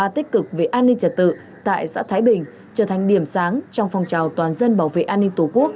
tích cực về an ninh trật tự tại xã thái bình trở thành điểm sáng trong phong trào toàn dân bảo vệ an ninh tổ quốc